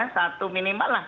satu minimal lah